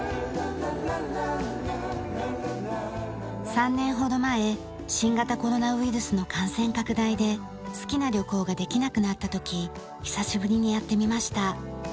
３年ほど前新型コロナウイルスの感染拡大で好きな旅行ができなくなった時久しぶりにやってみました。